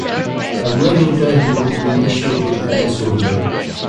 A year later he would be initiated as a soldier.